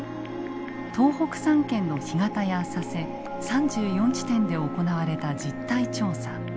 東北３県の干潟や浅瀬３４地点で行われた実態調査。